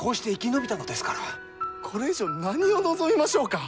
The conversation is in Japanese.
これ以上何を望みましょうか。